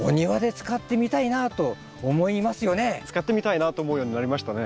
使ってみたいなと思うようになりましたね。